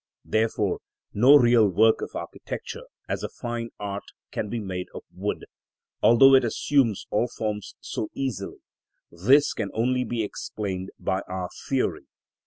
Therefore no real work of architecture as a fine art can be made of wood, although it assumes all forms so easily; this can only be explained by our theory.